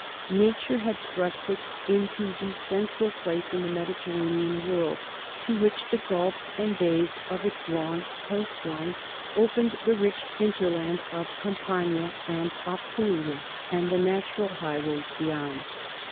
Nature had thrust it into the central place in the Mediterranean world, to which the gulfs and bays of its long coast line opened the rich hinterland of Campania and Apulia and the natural highways beyond.